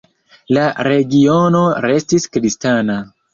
La regiono restis kristana.